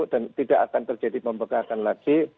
dan tidak akan terjadi pembangkakan lagi